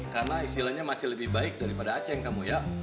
karena istilahnya masih lebih baik daripada aceh kamu ya